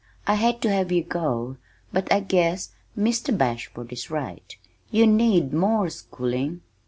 I hate to have you go, but I guess Mr. Bashford is right. You need more schooling."